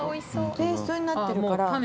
ペーストになってるから。